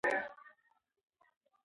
فعال چاپېريال ماشوم ته زده کړه آسانوي.